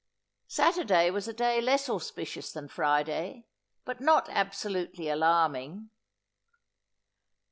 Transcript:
Saturday was a day less auspicious than Friday, but not absolutely alarming.